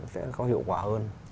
sẽ có hiệu quả hơn